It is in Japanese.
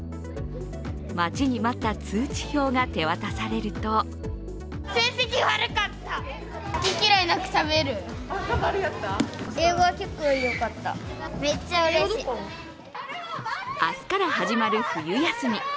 待ちに待った通知表が手渡されると明日から始まる冬休み。